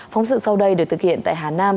phóng sự sau đây được thực hiện tại hà nam